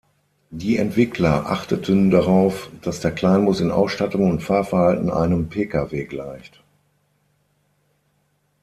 Die Entwickler achteten darauf, dass der Kleinbus in Ausstattung und Fahrverhalten einem Pkw gleicht.